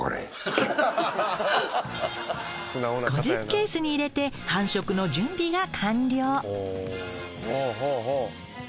５０ケースに入れて繁殖の準備が完了。